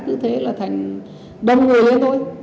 cứ thế là thành đông người hết thôi